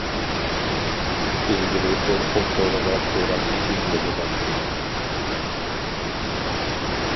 ئىلگىرى ئورخۇن تورىغا تۇران تېكىن يوللىغان.